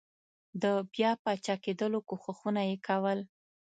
د بیا پاچاکېدلو کوښښونه یې کول.